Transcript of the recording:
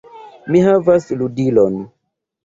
"Mi havas ludilon!"